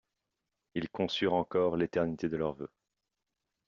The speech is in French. Ils conçurent encore l'éternité de leur vœu.